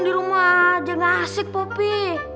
di rumah aja ngasih popi